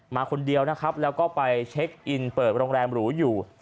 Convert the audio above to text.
มาคนเดียวนะครับแล้วก็ไปเช็คอินเปิดโรงแรมหรูอยู่